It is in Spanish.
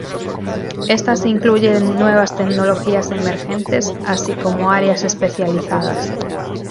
Estas incluyen nuevas tecnologías emergentes, así como áreas especializadas.